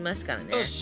よし！